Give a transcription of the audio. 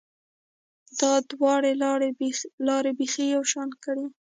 دا دواړې لارې بیخي یو شان کړې